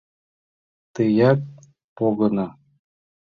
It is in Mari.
Тыят погыно.